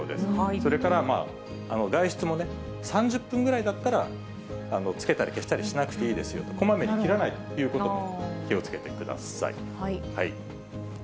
それから外出もね、３０分ぐらいだったらつけたり消したりしなくていいですよと、こまめに切らないということも気をつけてください。